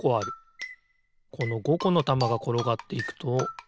この５このたまがころがっていくとあながあるな。